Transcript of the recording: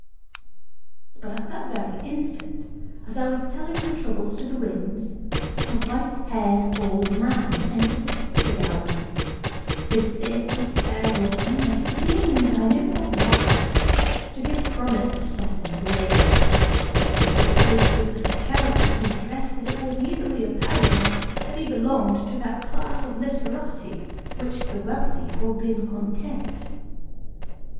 But at that very instant, as I was telling my troubles to the winds, a white haired old man entered the picture gallery; his face was care worn, and he seemed, I know not why, to give promise of something great, although he bestowed so little care upon his dress that it was easily apparent that he belonged to that class of literati which the wealthy hold in contempt.